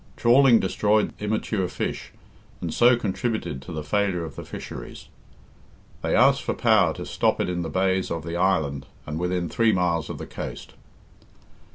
Trawling destroyed immature fish, and so contributed to the failure of the fisheries. They asked for power to stop it in the bays of the island, and within three miles of the coast.